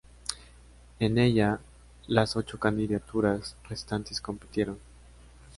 En ella, las ocho candidaturas restantes compitieron.